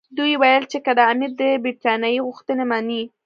دوی ویل چې که امیر د برټانیې غوښتنې مني.